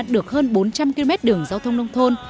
được hơn bốn trăm linh km đường giao thông nông thôn